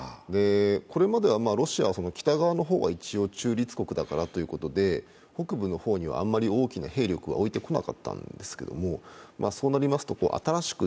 これまではロシアは北側の方は中立国だからということで北部の方にはあまり大きな兵力は置いてこなかったんですけれどもそうなりますと新しく